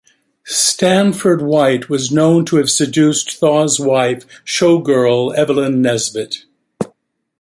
Stanford White was known to have seduced Thaw's wife, showgirl Evelyn Nesbit.